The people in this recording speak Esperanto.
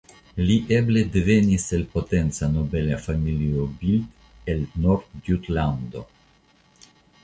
Li eble devenis el potenca nobela familio Bild el Nordjutlando.